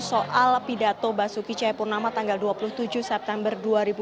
soal pidato basuki cepurnama tanggal dua puluh tujuh september dua ribu enam belas